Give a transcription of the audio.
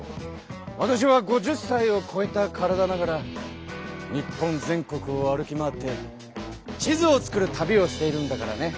私は５０歳をこえた体ながら日本全国を歩き回って地図を作る旅をしているんだからね。